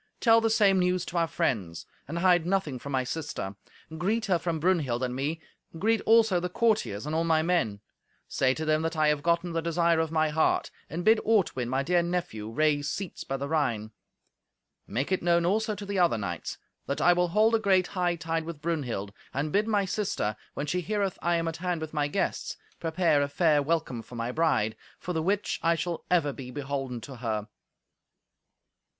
Tell the same news to our friends. And hide nothing from my sister. Greet her from Brunhild and me; greet also the courtiers and all my men. Say to them that I have gotten the desire of my heart. And bid Ortwin, my dear nephew, raise seats by the Rhine. Make it known also to the other knights that I will hold a great hightide with Brunhild; and bid my sister, when she heareth I am at hand with my guests, prepare a fair welcome for my bride; for the which I shall ever be beholden to her."